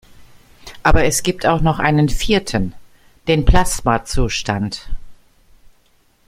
Aber es gibt auch noch einen vierten: Den Plasmazustand.